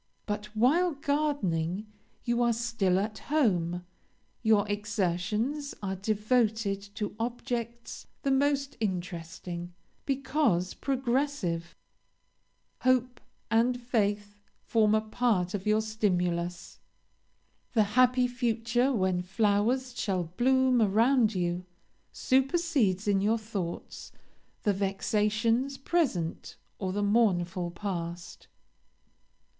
But, while gardening, you are still at home your exertions are devoted to objects the most interesting, because progressive; hope and faith form a part of your stimulus. The happy future, when flowers shall bloom around you, supersedes in your thoughts the vexatious present or the mournful past.